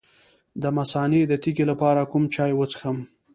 د مثانې د تیږې لپاره کوم چای وڅښم؟